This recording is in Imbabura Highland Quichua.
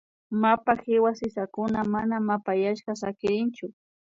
Mapa hiwa sisakuna mana mapayashka sakirichun